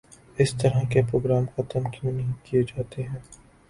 اس طرح کے پروگرام ختم کیوں نہیں کیے جاتے ہیں